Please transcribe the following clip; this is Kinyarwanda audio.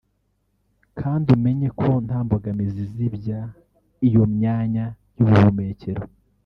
kandi umenye ko nta mbogamizi izibya iyo myanya y’ubuhumekero